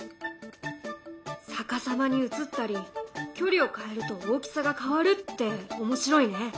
逆さまに映ったり距離を変えると大きさが変わるって面白いね。